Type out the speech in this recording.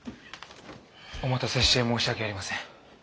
お待たせして申し訳ありません。